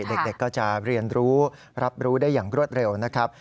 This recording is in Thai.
เด็กก็จะเรียนรู้รับรู้ได้อย่างรวดเร็วนะครับ